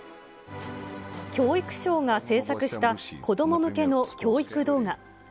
教育省が制作した子ども向けの教育動画。